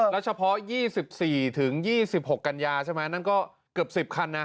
แล้วเฉพาะ๒๔ถึง๒๖กันยาใช่ไหมนั่นก็เกือบ๑๐คันนะ